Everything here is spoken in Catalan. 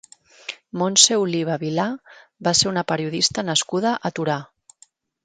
Montse Oliva Vilà va ser una periodista nascuda a Torà.